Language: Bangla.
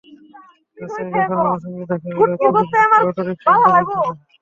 রাস্তায় যখন আমার সঙ্গে দেখা হলো তুমি একটা অটোরিকশা আনতে বলেছিলে।